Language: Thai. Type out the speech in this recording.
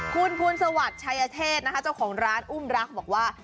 คุณภูลสวัสดิ์ชัยเทศนะคะเจ้าของร้านอุ้มรักบอกว่า